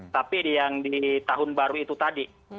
tapi yang di tahun baru itu tadi